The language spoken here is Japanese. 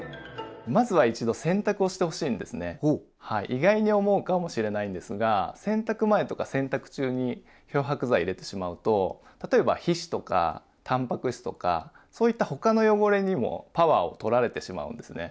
意外に思うかもしれないんですが洗濯前とか洗濯中に漂白剤入れてしまうと例えば皮脂とかタンパク質とかそういった他の汚れにもパワーを取られてしまうんですね。